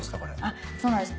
あっそうなんです。